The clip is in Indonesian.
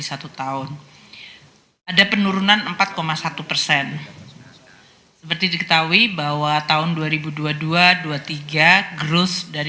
satu persen year on year